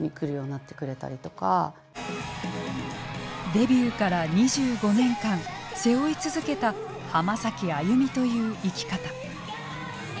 デビューから２５年間背負い続けた「浜崎あゆみ」という生き方。